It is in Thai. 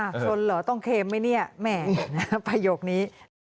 ชนเหรอต้องเคมไหมเนี่ยแหมประโยคนี้